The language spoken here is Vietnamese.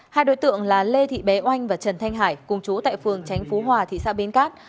hai đối tượng là lê thị bé oanh và trần thanh hải cùng chú tại phường tránh phú hòa thị xã bến cát